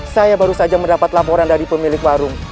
saya baru saja mendapat laporan dari pemilik warung